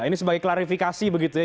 ini sebagai klarifikasi begitu ya